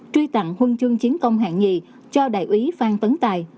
truy tặng huân chương chiến công hạng nhì cho đại úy phan tấn tài